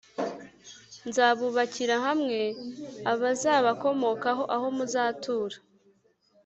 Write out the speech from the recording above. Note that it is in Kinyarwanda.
Nzabubakira hamwe abazabakomokaho aho muzatura